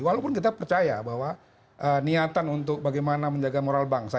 walaupun kita percaya bahwa niatan untuk bagaimana menjaga moral bangsa